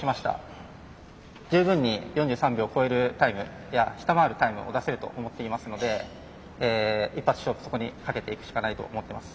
十分に４３秒超えるタイムいや下回るタイムを出せると思っていますので一発勝負そこにかけていくしかないと思ってます。